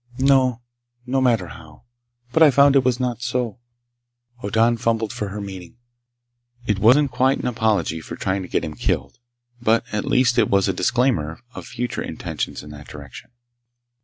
No, no matter how! But I found it was not so." Hoddan fumbled for her meaning. It wasn't quite an apology for trying to get him killed. But at least it was a disclaimer of future intentions in that direction.